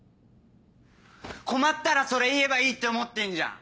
困ったらそれ言えばいいって思ってんじゃん。